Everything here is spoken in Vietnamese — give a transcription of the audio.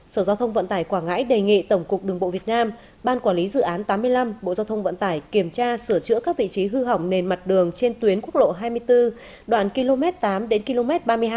sở giao thông vận tải quảng ngãi đề nghị tổng cục đường bộ việt nam ban quản lý dự án tám mươi năm bộ giao thông vận tải kiểm tra sửa chữa các vị trí hư hỏng nền mặt đường trên tuyến quốc lộ hai mươi bốn đoạn km tám đến km ba mươi hai